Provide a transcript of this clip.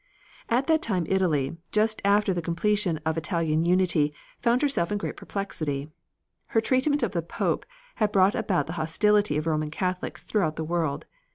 At that time Italy, just after the completion of Italian unity, found herself in great perplexity. Her treatment of the Pope had brought about the hostility of Roman Catholics throughout the world.